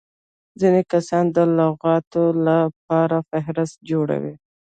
ځيني کسان د لغاتو له پاره فهرست جوړوي.